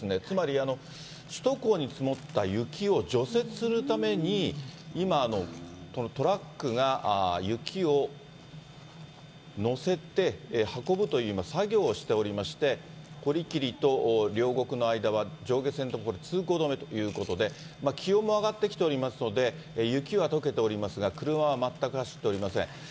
つまり、首都高に積もった雪を除雪するために、今、このトラックが雪を載せて運ぶという今、作業をしておりまして、堀切と両国の間は上下線とも通行止めということで、気温も上がってきておりますので、雪はとけておりますが、車は全く走っておりません。